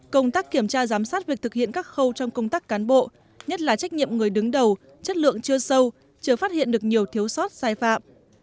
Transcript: công tác kiểm tra giám sát việc thực hiện các khâu trong công tác cán bộ nhất là trách nhiệm người đứng đầu chất lượng chưa sâu chưa phát hiện được nhiều thiếu sót sai phạm